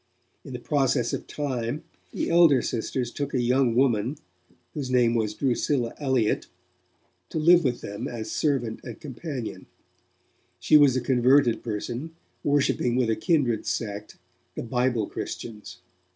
In process of time, the elder sisters took a young woman, whose name was Drusilla Elliott, to live with them as servant and companion; she was a converted person, worshipping with a kindred sect, the Bible Christians.